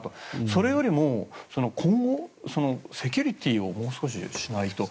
それよりも今後セキュリティーをもう少ししないと。